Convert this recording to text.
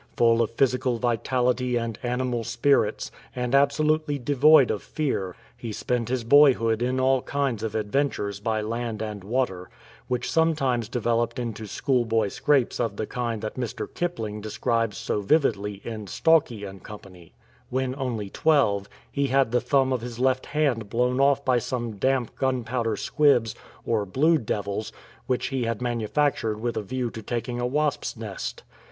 Full of physical vitality and animal spirits, and absolutely devoid of fear, he spent his boyhood in all kinds of adventures by land and water, which sometimes developed into schoolboy scrapes of the kind that Mr. Kipling describes so vividly in Stalky 4' Co. When only twelve, he had the thumb of his left hand blown off by some damp gimpowder squibs or " blue devils," which he had manufactured with a view to taking a wasp's nest.